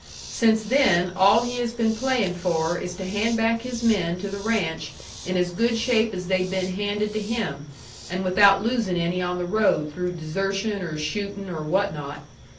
Since then all he has been playin' for is to hand back his men to the ranch in as good shape as they'd been handed to him, and without losing any on the road through desertion or shooting or what not.